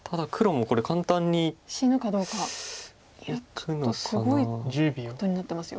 ちょっとすごいことになってますよ。